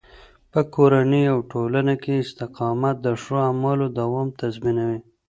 په کورني او ټولنه کې استقامت د ښو اعمالو دوام تضمینوي.